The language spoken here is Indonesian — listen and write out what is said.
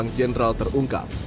sang jenderal terungkap